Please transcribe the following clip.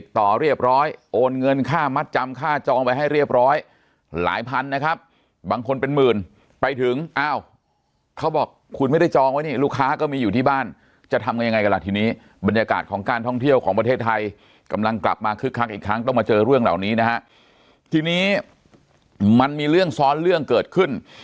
ต่อเรียบร้อยโอนเงินค่ามัดจำค่าจองไว้ให้เรียบร้อยหลายพันนะครับบางคนเป็นหมื่นไปถึงอ้าวเขาบอกคุณไม่ได้จองไว้นี่ลูกค้าก็มีอยู่ที่บ้านจะทำยังไงกันล่ะทีนี้บรรยากาศของการท่องเที่ยวของประเทศไทยกำลังกลับมาคึกคักอีกครั้งต้องมาเจอเรื่องเหล่านี้นะฮะทีนี้มันมีเรื่องซ้อนเรื่องเกิดขึ้น